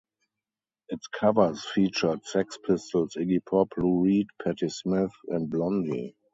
Its covers featured Sex Pistols, Iggy Pop, Lou Reed, Patti Smith, and Blondie.